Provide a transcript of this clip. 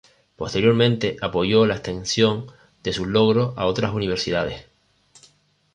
Posteriormente apoyó la extensión de sus logros a otras universidades.